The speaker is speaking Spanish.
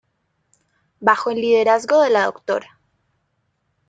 Bajo el liderazgo de la Dra.